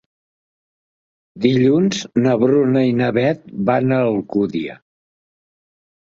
Dilluns na Bruna i na Beth van a l'Alcúdia.